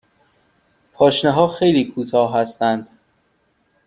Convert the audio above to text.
پاشنه ها خیلی کوتاه هستند.